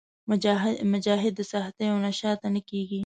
مجاهد د سختیو نه شاته نه کېږي.